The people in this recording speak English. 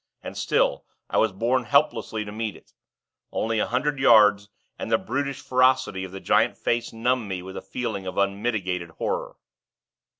And still, I was borne helplessly to meet it. Only a hundred yards, and the brutish ferocity of the giant face numbed me with a feeling of unmitigated horror.